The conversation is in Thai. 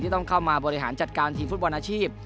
ต้องเข้ามาบริหารจัดการทีมฟุตบอลอาชีพ